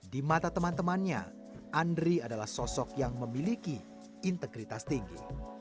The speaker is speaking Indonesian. di mata teman temannya andri adalah sosok yang memiliki integritas tinggi